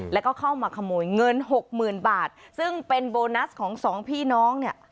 แล้วก็เข้ามาขโมยเงินหกหมื่นบาทซึ่งเป็นโบนัสของสองพี่น้องเนี่ย